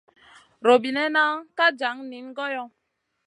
Robinena ka jan niyna goyo.